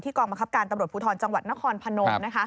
กองบังคับการตำรวจภูทรจังหวัดนครพนม